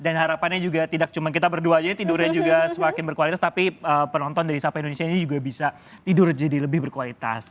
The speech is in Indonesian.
dan harapannya juga tidak cuma kita berduanya tidurnya juga semakin berkualitas tapi penonton dari sapa indonesia ini juga bisa tidur jadi lebih berkualitas